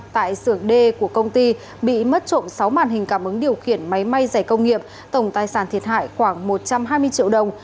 tại xưởng d của công ty bị mất trộm sáu màn hình cảm ứng điều khiển máy may rẻ công nghiệp tổng tài sản thiệt hại khoảng một trăm hai mươi triệu đồng